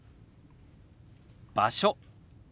「場所」。